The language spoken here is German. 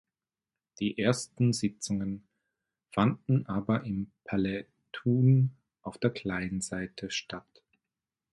Die ersten Sitzungen fanden aber im Palais Thun auf der Kleinseite statt.